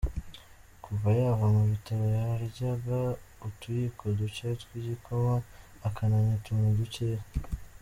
"Kuva yava mu bitaro, yaryaga utuyiko ducye tw'igikoma akananywa utuntu ducye.